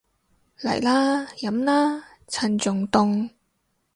嚟啦，飲啦，趁仲凍